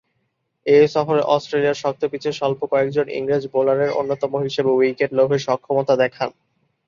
এ সফরে অস্ট্রেলিয়ার শক্ত পিচে স্বল্প কয়েকজন ইংরেজ বোলারের অন্যতম হিসেবে উইকেট লাভে সক্ষমতা দেখান।